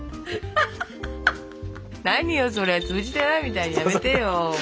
何よそれ通じてないみたいのやめてよ。